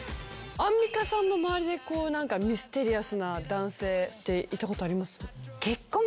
アンミカさんの周りでミステリアスな男性っていたことあります？